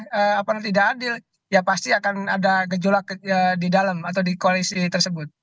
kalau tidak adil ya pasti akan ada gejolak di dalam atau di koalisi tersebut